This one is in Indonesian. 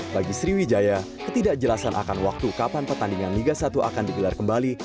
bagi sriwijaya ketidakjelasan akan waktu kapan pertandingan liga satu akan digelar kembali